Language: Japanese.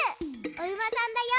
おうまさんだよ！